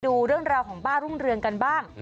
ดูเรื่องราวของป้ารุ่งเรืองกันบ้าง